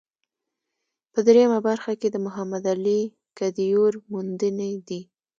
په درېیمه برخه کې د محمد علي کدیور موندنې دي.